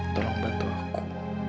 tolong bantu aku